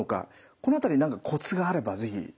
この辺り何かコツがあれば是非。